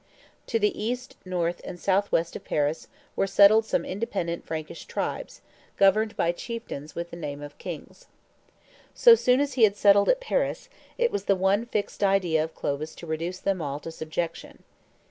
To the east, north, and south west of Paris were settled some independent Frankish tribes, governed by chieftains with the name of kings. So soon as he had settled at Paris, it was the one fixed idea of Clovis to reduce them all to subjection.